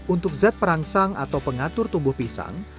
untuk zat perangsang atau pengatur tumbuh pisang